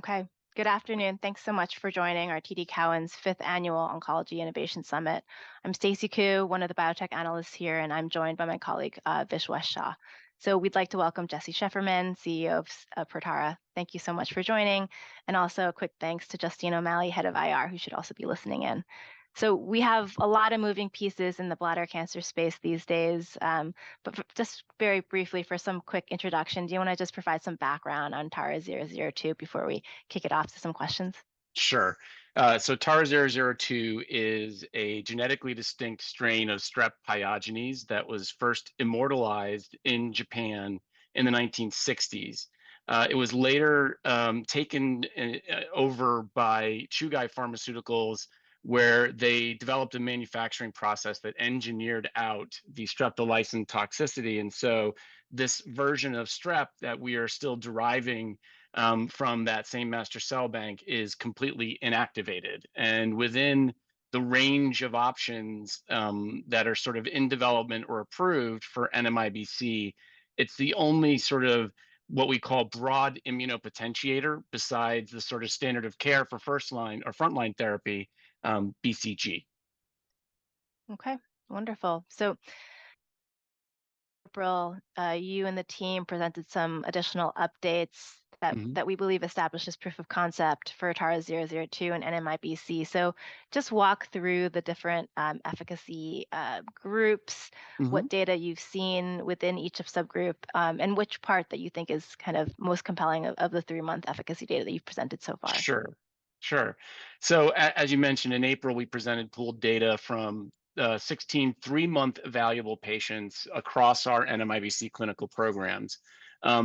Okay. Good afternoon. Thanks so much for joining our TD Cowen's Fifth Annual Oncology Innovation Summit. I'm Stacy Ku, one of the biotech analysts here, and I'm joined by my colleague, Vishwa Shah. So we'd like to welcome Jesse Shefferman, CEO of Protara. Thank you so much for joining, and also a quick thanks to Justine O'Malley, head of IR, who should also be listening in. So we have a lot of moving pieces in the bladder cancer space these days, but just very briefly, for some quick introduction, do you wanna just provide some background on TARA-002 before we kick it off to some questions? Sure. So TARA-002 is a genetically distinct strain of Strep pyogenes that was first immortalized in Japan in the 1960s. It was later taken over by Chugai Pharmaceuticals, where they developed a manufacturing process that engineered out the streptolysin toxicity. And so this version of Strep that we are still deriving from that same master cell bank is completely inactivated. And within the range of options that are sort of in development or approved for NMIBC, it's the only sort of, what we call broad immunopotentiator, besides the sort of standard of care for first-line or frontline therapy, BCG. Okay, wonderful. So, April, you and the team presented some additional updates- Mm-hmm... that, that we believe establishes proof of concept for TARA-002 and NMIBC. So just walk through the different, efficacy, groups- Mm-hmm... what data you've seen within each subgroup, and which part that you think is kind of most compelling of the three-month efficacy data that you've presented so far? Sure, sure. So as you mentioned, in April, we presented pooled data from 16 three-month evaluable patients across our NMIBC clinical programmes.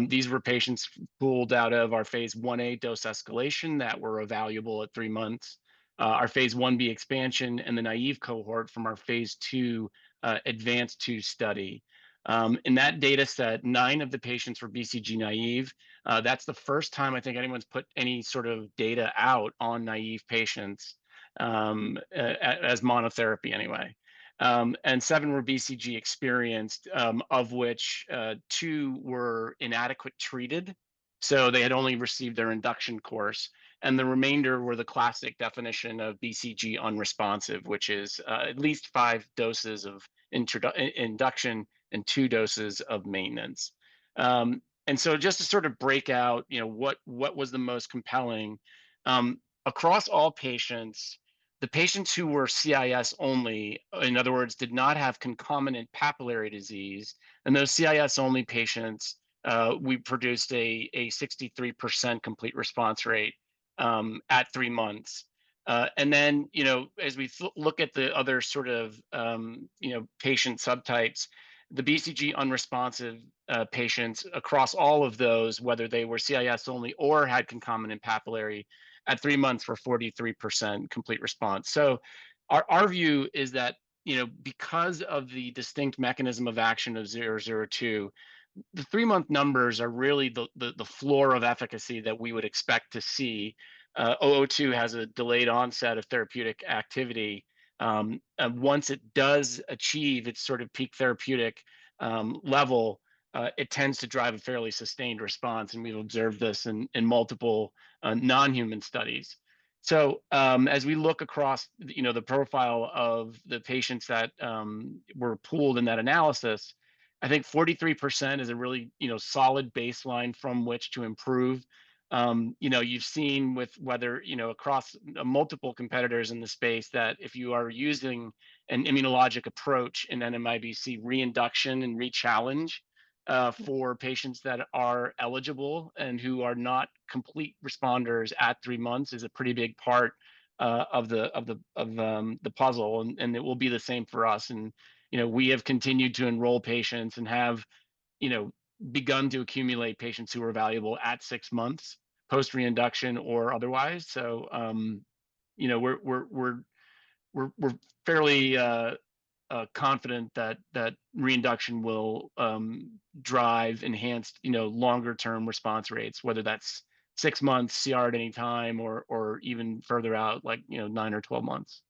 These were patients pooled out of our Phase Ia dose escalation that were evaluable at three months, our Phase Ib expansion, and the naive cohort from our Phase II, uh, ADVANCED-2 study. In that data set, nine of the patients were BCG naive. That's the first time I think anyone's put any sort of data out on naive patients, as monotherapy anyway. And seven were BCG experienced, of which two were inadequately treated, so they had only received their induction course, and the remainder were the classic definition of BCG unresponsive, which is at least five doses of induction and two doses of maintenance. And so just to sort of break out, you know, what was the most compelling across all patients, the patients who were CIS only, in other words, did not have concomitant papillary disease, and those CIS-only patients, we produced a 63% complete response rate at three months. And then, you know, as we look at the other sort of, you know, patient subtypes, the BCG unresponsive patients across all of those, whether they were CIS only or had concomitant papillary, at three months were 43% complete response. So our view is that, you know, because of the distinct mechanism of action of 002, the three-month numbers are really the floor of efficacy that we would expect to see. 002 has a delayed onset of therapeutic activity, and once it does achieve its sort of peak therapeutic level, it tends to drive a fairly sustained response, and we've observed this in multiple non-human studies. So, as we look across the, you know, the profile of the patients that were pooled in that analysis, I think 43% is a really, you know, solid baseline from which to improve. You know, you've seen with whether, you know, across multiple competitors in the space, that if you are using an immunologic approach in NMIBC reinduction and rechallenge, for patients that are eligible and who are not complete responders at three months, is a pretty big part of the puzzle, and it will be the same for us. You know, we have continued to enroll patients and have, you know, begun to accumulate patients who are valuable at six months post reinduction or otherwise. You know, we're fairly confident that reinduction will drive enhanced, you know, longer-term response rates, whether that's six months CR at any time, or even further out, like, you know, nine or 12 months.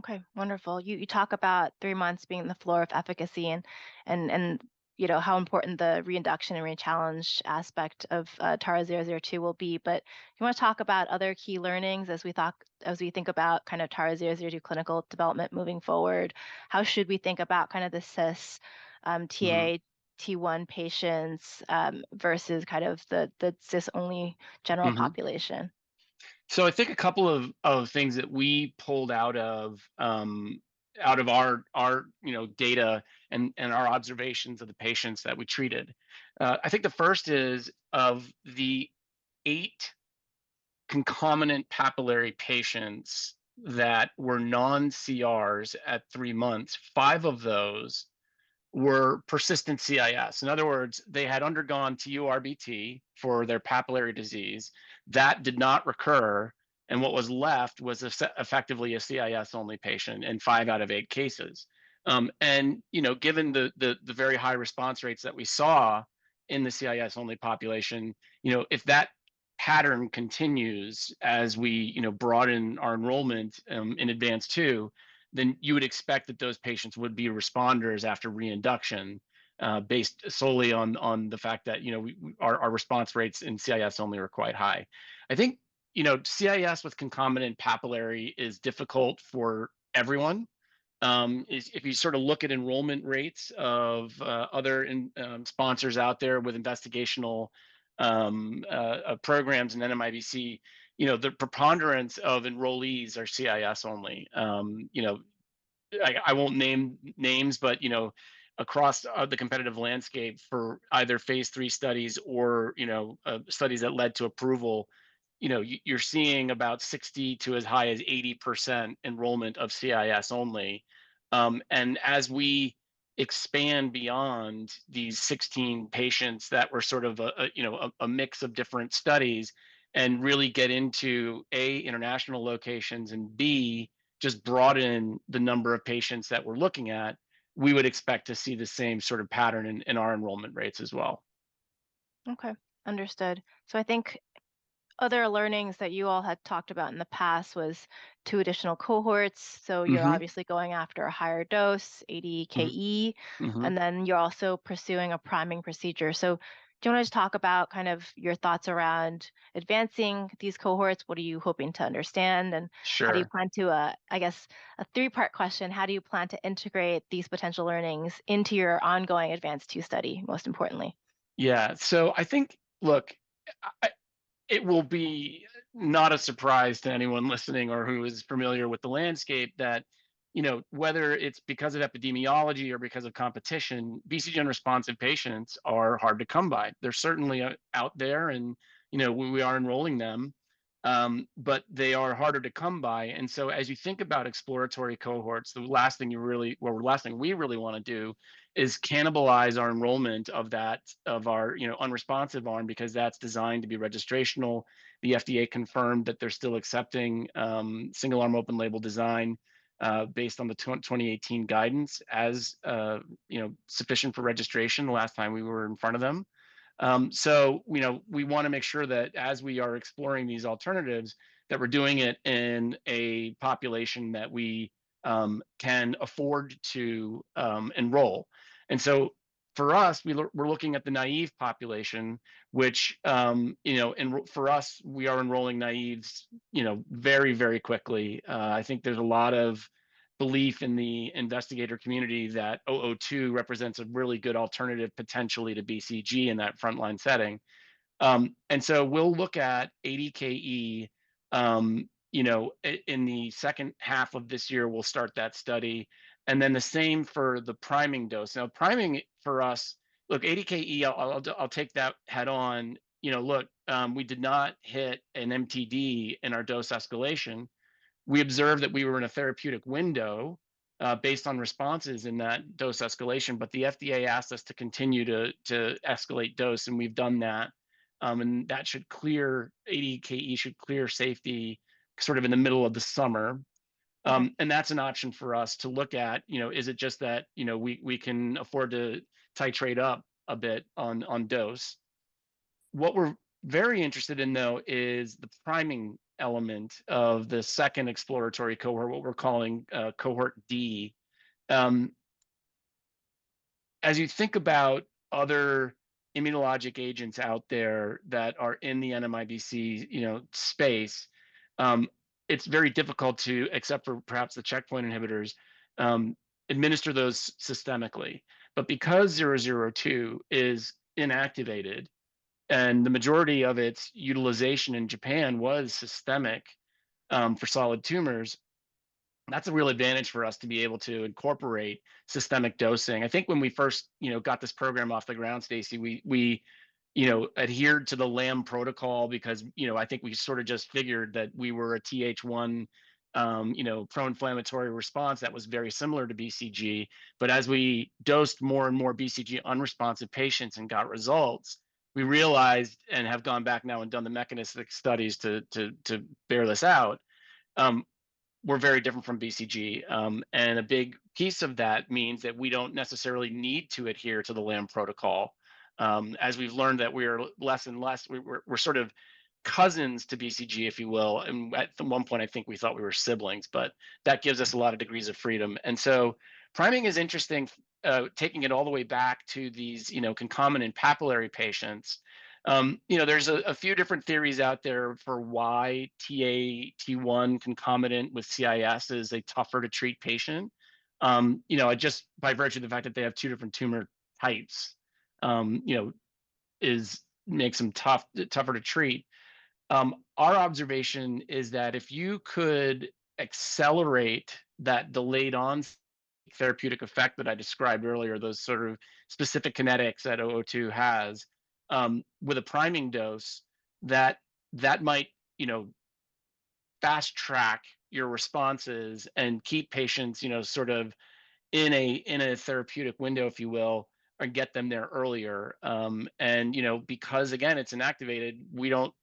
Okay, wonderful. You, you talk about three months being the floor of efficacy and, and, and, you know, how important the reinduction and rechallenge aspect of TARA-002 will be. But do you wanna talk about other key learnings as we thought- as we think about kind of TARA-002 clinical development moving forward? How should we think about kind of the CIS, Ta- Mm-hmm... T1 patients, versus kind of the CIS-only- Mm-hmm... general population? So I think a couple of things that we pulled out of our, you know, data and our observations of the patients that we treated. I think the first is, of the eight concomitant papillary patients that were non-CRs at three months, five of those were persistent CIS. In other words, they had undergone TURBT for their papillary disease. That did not recur, and what was left was effectively a CIS-only patient in five out of eight cases. Given the very high response rates that we saw in the CIS-only population, you know, if that pattern continues as we, you know, broaden our enrollment in ADVANCED-2, then you would expect that those patients would be responders after reinduction, based solely on the fact that, you know, our response rates in CIS only are quite high. You know, CIS with concomitant papillary is difficult for everyone. If you sort of look at enrollment rates of other sponsors out there with investigational programs in NMIBC, you know, the preponderance of enrollees are CIS only. You know, I won't name names, but you know, across the competitive landscape for either Phase III studies or, you know, studies that led to approval, you know, you're seeing about 60% to as high as 80% enrollment of CIS only. And as we expand beyond these 16 patients that were sort of a, you know, a mix of different studies and really get into A, international locations, and B, just broaden the number of patients that we're looking at, we would expect to see the same sort of pattern in our enrollment rates as well. Okay. Understood. So I think other learnings that you all had talked about in the past was two additional cohorts- Mm-hmm. -so you're obviously going after a higher dose, 80 KE- Mm-hmm, mm-hmm.... and then you're also pursuing a priming procedure. So do you wanna just talk about kind of your thoughts around advancing these cohorts? What are you hoping to understand, and- Sure... how do you plan to, I guess, a three-part question: how do you plan to integrate these potential learnings into your ongoing ADVANCED-2 study, most importantly? Yeah. So I think, look, it will be not a surprise to anyone listening or who is familiar with the landscape that, you know, whether it's because of epidemiology or because of competition, BCG-unresponsive patients are hard to come by. They're certainly out there and, you know, we are enrolling them, but they are harder to come by. And so as you think about exploratory cohorts, the last thing you really... well, the last thing we really wanna do is cannibalize our enrollment of that, of our, you know, unresponsive arm because that's designed to be registrational. The FDA confirmed that they're still accepting single-arm open-label design based on the 2018 guidance as, you know, sufficient for registration the last time we were in front of them. So, you know, we wanna make sure that as we are exploring these alternatives, that we're doing it in a population that we can afford to enroll. And so for us, we're looking at the naive population, which, you know, enroll for us, we are enrolling naives, you know, very, very quickly. I think there's a lot of belief in the investigator community that TARA-002 represents a really good alternative potentially to BCG in that frontline setting. And so we'll look at 80 KE, you know, in the second half of this year, we'll start that study, and then the same for the priming dose. Now, priming for us. Look, 80 KE, I'll take that head-on. You know, look, we did not hit an MTD in our dose escalation. We observed that we were in a therapeutic window, based on responses in that dose escalation, but the FDA asked us to continue to escalate dose, and we've done that. And that should clear, 80 KE should clear safety sort of in the middle of the summer. And that's an option for us to look at. You know, is it just that, you know, we can afford to titrate up a bit on dose? What we're very interested in, though, is the priming element of the second exploratory cohort, what we're calling Cohort D. As you think about other immunologic agents out there that are in the NMIBC space, you know, it's very difficult to, except for perhaps the checkpoint inhibitors, administer those systemically. But because TARA-002 is inactivated and the majority of its utilization in Japan was systemic, for solid tumours, that's a real advantage for us to be able to incorporate systemic dosing. I think when we first, you know, got this program off the ground, Stacy, we, you know, adhered to the Lamm protocol because, you know, I think we sort of just figured that we were a Th1, you know, pro-inflammatory response that was very similar to BCG. But as we dosed more and more BCG-unresponsive patients and got results, we realized, and have gone back now and done the mechanistic studies to bear this out, we're very different from BCG. And a big piece of that means that we don't necessarily need to adhere to the Lamm protocol. As we've learned that we're less and less, we're sort of cousins to BCG, if you will, and at one point, I think we thought we were siblings, but that gives us a lot of degrees of freedom. So priming is interesting, taking it all the way back to these, you know, concomitant papillary patients. You know, there's a few different theories out there for why TA-T1 concomitant with CIS is a tougher-to-treat patient. You know, just by virtue of the fact that they have two different tumor types, you know, makes them tough, tougher to treat. Our observation is that if you could accelerate that delayed on therapeutic effect that I described earlier, those sort of specific kinetics that 002 has, with a priming dose, that, that might, you know, fast-track your responses and keep patients, you know, sort of in a, in a therapeutic window, if you will, and get them there earlier. And, you know, because, again, it's inactivated, we don't-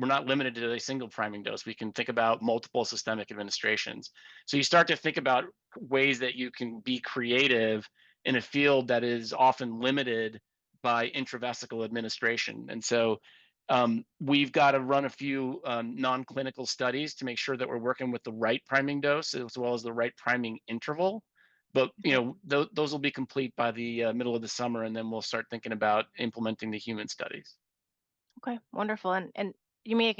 we're not limited to a single priming dose. We can think about multiple systemic administrations. So you start to think about ways that you can be creative in a field that is often limited by intravesical administration. And so, we've got to run a few, non-clinical studies to make sure that we're working with the right priming dose, as well as the right priming interval. But, you know, those will be complete by the middle of the summer, and then we'll start thinking about implementing the human studies.... Okay, wonderful. And you're making it, you made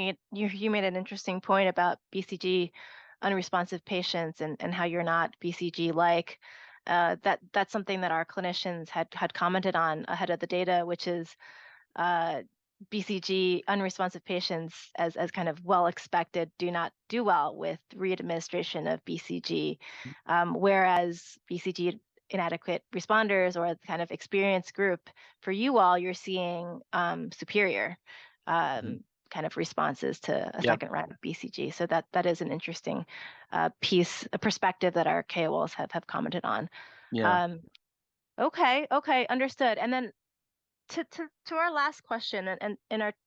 an interesting point about BCG-unresponsive patients and how you're not BCG-like. That's something that our clinicians had commented on ahead of the data, which is, BCG-unresponsive patients, as kind of well-expected, do not do well with readministration of BCG. Whereas BCG inadequate responders or the kind of experienced group, for you all, you're seeing superior kind of responses to- Yeah... a second round of BCG. So that is an interesting piece, perspective that our KOLs have commented on. Yeah. Okay, okay, understood. And then to our last question and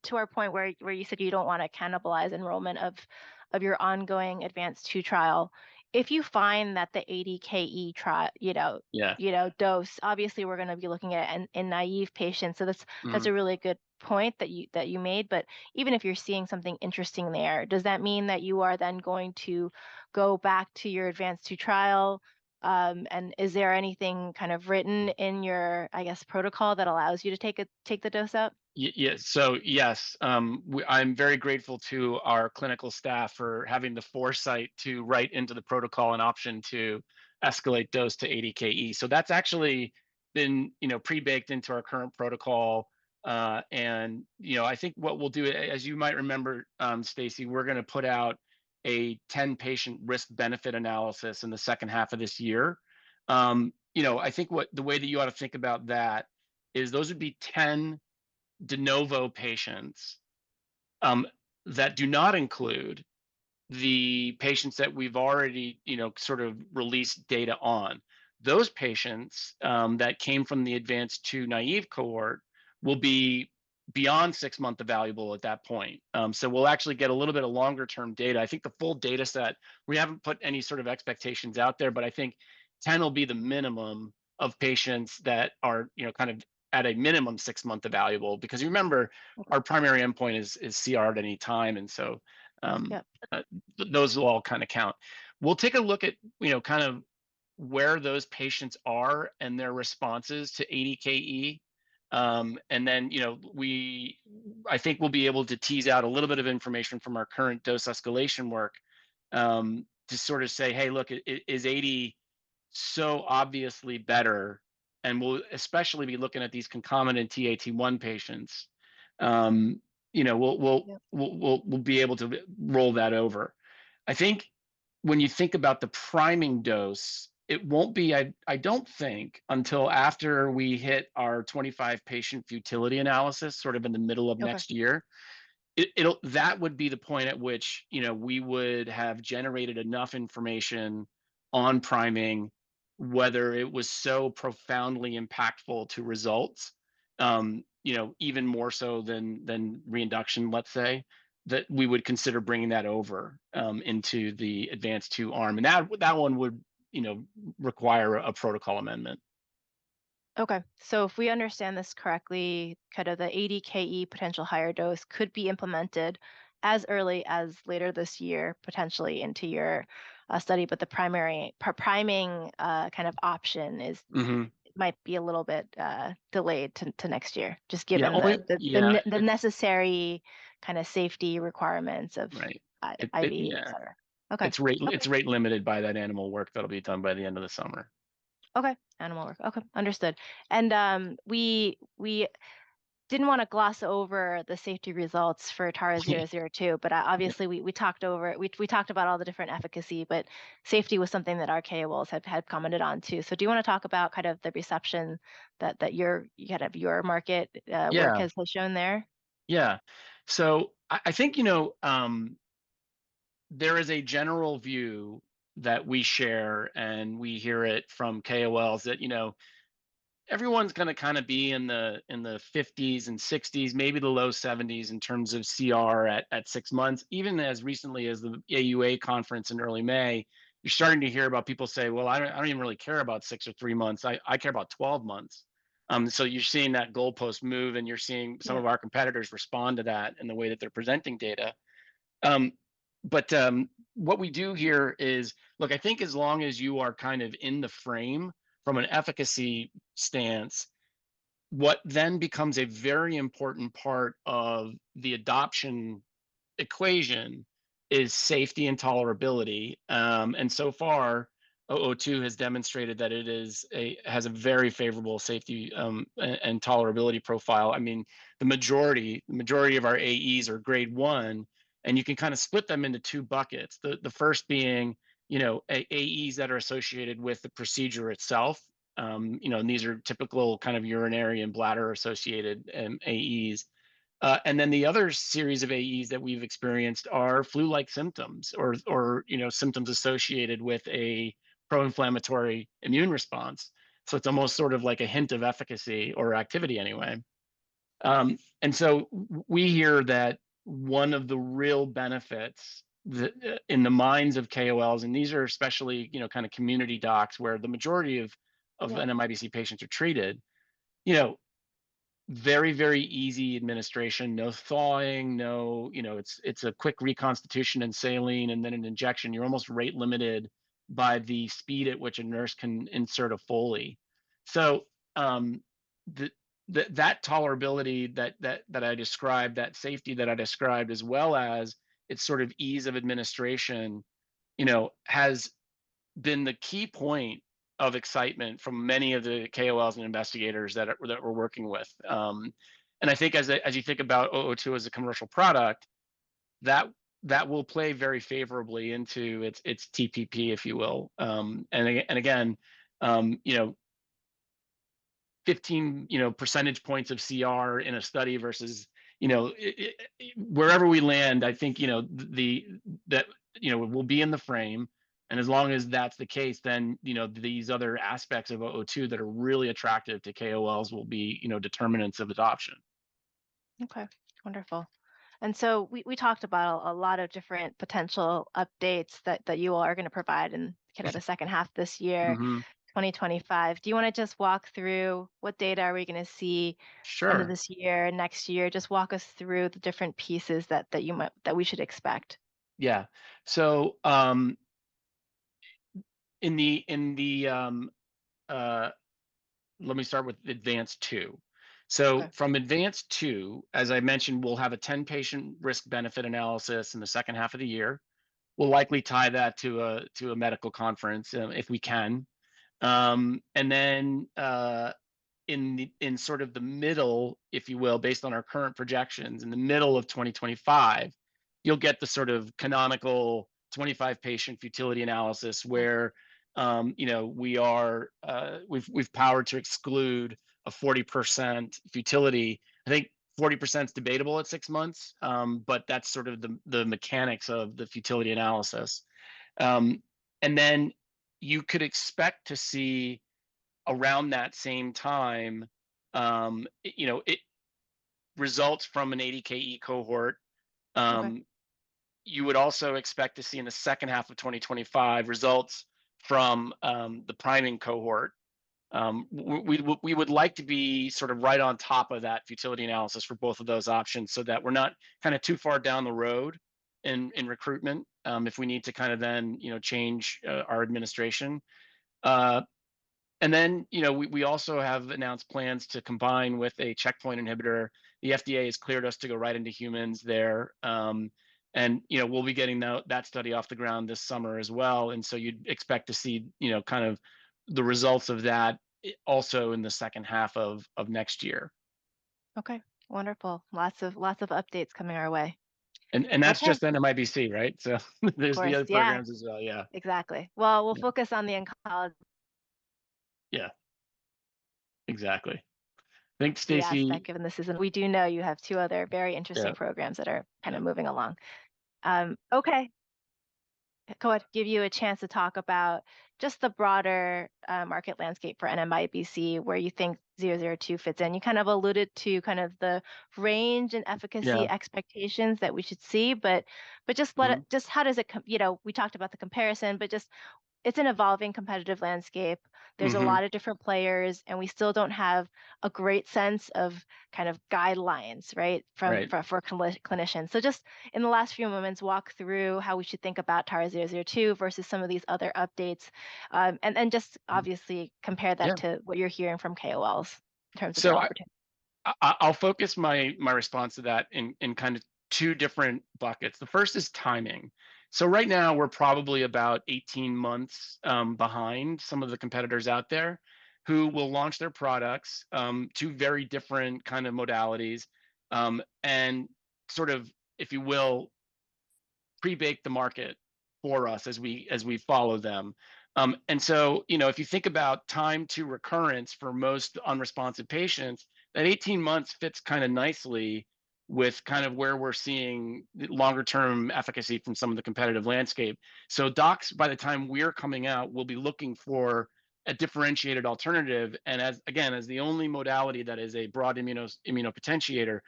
to our point where you said you don't wanna cannibalize enrollment of your ongoing ADVANCED-2 trial, if you find that the 80 KE tri- you know- Yeah... you know, dose, obviously, we're gonna be looking at it in naive patients, so that's- Mm... that's a really good point that you, that you made. But even if you're seeing something interesting there, does that mean that you are then going to go back to your ADVANCED-2 trial? And is there anything kind of written in your, I guess, protocol that allows you to take it, take the dose up? Yes, so yes, I'm very grateful to our clinical staff for having the foresight to write into the protocol an option to escalate dose to 80 KE. So that's actually been, you know, pre-baked into our current protocol. And, you know, I think what we'll do, as you might remember, Stacy, we're gonna put out a 10-patient risk-benefit analysis in the second half of this year. You know, I think what, the way that you ought to think about that is, those would be 10 de novo patients, that do not include the patients that we've already, you know, sort of released data on. Those patients, that came from the ADVANCED-2 naive cohort will be beyond six month evaluable at that point. So we'll actually get a little bit of longer-term data. I think the full data set, we haven't put any sort of expectations out there, but I think 10 will be the minimum of patients that are, you know, kind of at a minimum six month evaluable. Because you remember, our primary endpoint is, is CR at any time, and so, Yeah... those will all kinda count. We'll take a look at, you know, kind of where those patients are and their responses to 80 KE. And then, you know, we... I think we'll be able to tease out a little bit of information from our current dose escalation work, to sort of say, "Hey, look, is 80 so obviously better?" And we'll especially be looking at these concomitant Ta/T1 patients. You know, we'll be able to roll that over. I think when you think about the priming dose, it won't be, I don't think until after we hit our 25 patient futility analysis, sort of in the middle of- Okay... next year. It'll be the point at which, you know, we would have generated enough information on priming, whether it was so profoundly impactful to results, you know, even more so than reinduction, let's say, that we would consider bringing that over into the ADVANCED-2 arm. And that one would, you know, require a protocol amendment. Okay, so if we understand this correctly, kind of the 80 KE potential higher dose could be implemented as early as later this year, potentially into your study, but the primary priming kind of option is- Mm-hmm... might be a little bit delayed till next year. Just given the- Yeah... the necessary kind of safety requirements of- Right... IB, et cetera. Yeah. Okay. It's rate-limited by that animal work that'll be done by the end of the summer. Okay, animal work. Okay, understood. And, we didn't wanna gloss over the safety results for- Sure... TARA-002, but Yeah... obviously, we talked about all the different efficacy, but safety was something that our KOLs had commented on too. So do you wanna talk about kind of the reception that your kind of market? Yeah... work has shown there? Yeah. So I think, you know, there is a general view that we share, and we hear it from KOLs, that, you know, everyone's gonna kind of be in the 50s and 60s, maybe the low 70s in terms of CR at six months. Even as recently as the AUA conference in early May, you're starting to hear about people say: "Well, I don't even really care about six or three months. I care about 12 months." So you're seeing that goalpost move, and you're seeing- Mm... some of our competitors respond to that in the way that they're presenting data. But what we do here is... Look, I think as long as you are kind of in the frame from an efficacy stance, what then becomes a very important part of the adoption equation is safety and tolerability. And so far, TARA-002 has demonstrated that it is a, has a very favorable safety, and tolerability profile. I mean, the majority of our AEs are Grade 1, and you can kind of split them into two buckets. The first being, you know, AEs that are associated with the procedure itself. You know, and these are typical kind of urinary and bladder-associated AEs. And then the other series of AEs that we've experienced are flu-like symptoms or, you know, symptoms associated with a pro-inflammatory immune response. So it's almost sort of like a hint of efficacy or activity anyway. And so we hear that one of the real benefits, the, in the minds of KOLs, and these are especially, you know, kind of community docs, where the majority of- Yeah... of NMIBC patients are treated, you know, very, very easy administration, you know, it's a quick reconstitution in saline, and then an injection. You're almost rate-limited by the speed at which a nurse can insert a Foley. So, the tolerability that I described, that safety that I described, as well as its sort of ease of administration, you know, has been the key point of excitement from many of the KOLs and investigators that we're working with. And I think as you think about TARA-002 as a commercial product, that will play very favorably into its TPP, if you will. And again, you know, 15 percentage points of CR in a study versus, you know, it's wherever we land, I think, you know, that we'll be in the frame, and as long as that's the case, then, you know, these other aspects of TARA-002 that are really attractive to KOLs will be, you know, determinants of adoption. Okay. Wonderful. And so we talked about a lot of different potential updates that you all are gonna provide in- Yes... kind of the second half this year- Mm-hmm ... 2025. Do you wanna just walk through what data are we gonna see- Sure... end of this year, next year? Just walk us through the different pieces that, that you might, that we should expect. Yeah. So, let me start with ADVANCED-2. Okay. So from ADVANCED-2, as I mentioned, we'll have a 10-patient risk-benefit analysis in the second half of the year. We'll likely tie that to a medical conference, if we can. And then, in sort of the middle, if you will, based on our current projections, in the middle of 2025, you'll get the sort of canonical 25-patient futility analysis where, you know, we've powered to exclude a 40% futility. I think 40%'s debatable at six months, but that's sort of the mechanics of the futility analysis. And then you could expect to see, around that same time, you know, results from an 80 KE cohort. Okay. You would also expect to see, in the second half of 2025, results from the priming cohort. We, we would like to be sort of right on top of that futility analysis for both of those options so that we're not kind of too far down the road in recruitment, if we need to kind of then, you know, change our administration. And then, you know, we, we also have announced plans to combine with a checkpoint inhibitor. The FDA has cleared us to go right into humans there, and, you know, we'll be getting that study off the ground this summer as well, and so you'd expect to see, you know, kind of the results of that, also in the second half of next year. Okay, wonderful. Lots of, lots of updates coming our way. And that's- Okay... just NMIBC, right? So there's the other- Of course, yeah.... programs as well, yeah. Exactly. Well, we'll focus on the oncology. Yeah. Exactly. Thanks, Stacy. The aspect of this is, we do know you have two other very interesting- Yeah... programs that are kind of moving along. Okay. I'm gonna give you a chance to talk about just the broader, market landscape for NMIBC, where you think 002 fits in. You kind of alluded to kind of the range and efficacy- Yeah... expectations that we should see, but just what- Mm-hmm... just how does it, you know, we talked about the comparison, but just, it's an evolving competitive landscape. Mm-hmm. There's a lot of different players, and we still don't have a great sense of kind of guidelines, right? Right. For clinicians. So just, in the last few moments, walk through how we should think about TARA-002 versus some of these other updates. And just obviously compare that- Sure... to what you're hearing from KOLs, in terms of opportunity. So I'll focus my response to that in kind of two different buckets. The first is timing. So right now, we're probably about 18 months behind some of the competitors out there, who will launch their products two very different kind of modalities. And sort of, if you will, pre-bake the market for us, as we follow them. And so, you know, if you think about time to recurrence for most unresponsive patients, that 18 months fits kind of nicely with kind of where we're seeing longer term efficacy from some of the competitive landscape. So docs, by the time we're coming out, will be looking for a differentiated alternative. And again, as the only modality that is a broad immunopotentiator,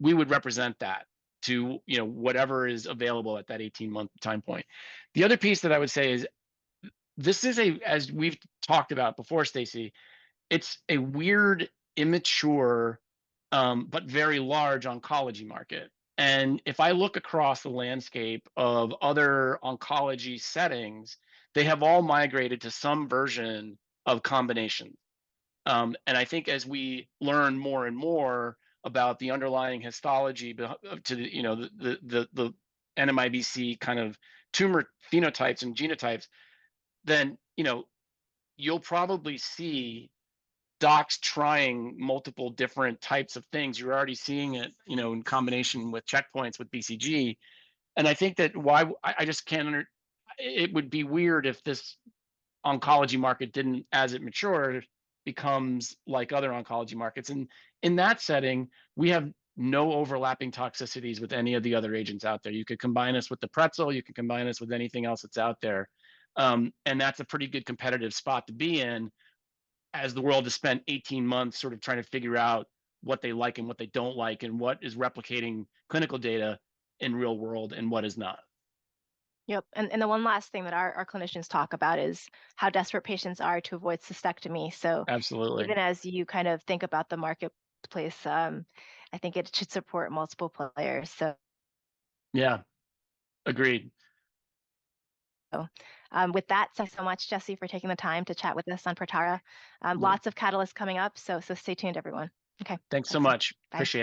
we would represent that to, you know, whatever is available at that 18-month time point. The other piece that I would say is, this is a, as we've talked about before, Stacy, it's a weird, immature, but very large oncology market. And if I look across the landscape of other oncology settings, they have all migrated to some version of combination. And I think as we learn more and more about the underlying histology behavior of the, you know, the NMIBC kind of tumor phenotypes and genotypes, then, you know, you'll probably see docs trying multiple different types of things. You're already seeing it, you know, in combination with checkpoints, with BCG, and I think that's why I just can't understand it would be weird if this oncology market didn't, as it matured, become like other oncology markets. And in that setting, we have no overlapping toxicities with any of the other agents out there. You could combine us with the pretzel, you could combine us with anything else that's out there. And that's a pretty good competitive spot to be in, as the world has spent 18 months sort of trying to figure out what they like and what they don't like, and what is replicating clinical data in real world, and what is not. Yep, the one last thing that our clinicians talk about is how desperate patients are to avoid cystectomy, so- Absolutely... even as you kind of think about the marketplace, I think it should support multiple players, so. Yeah. Agreed. With that, thanks so much, Jesse, for taking the time to chat with us on Protara. Mm-hmm. Lots of catalysts coming up, so stay tuned, everyone. Okay. Thanks so much. Bye. Appreciate it.